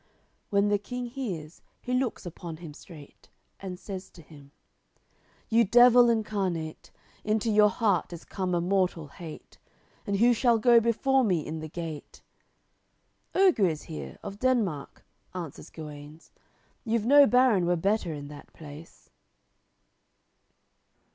When the King hears, he looks upon him straight, And says to him: "You devil incarnate; Into your heart is come a mortal hate. And who shall go before me in the gate?" "Oger is here, of Denmark;" answers Guenes, "You've no baron were better in that place."